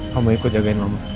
kamu ikut jagain mama